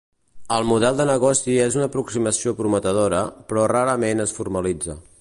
El model de negoci és una aproximació prometedora, però rarament es formalitza.